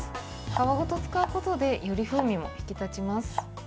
皮ごと使うことでより風味も引き立ちます。